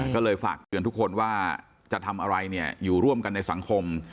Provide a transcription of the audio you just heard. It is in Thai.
ก็เลยฝากเตือนทุกคนว่าจะทำอะไรเนี่ยอยู่ร่วมกันในสังคม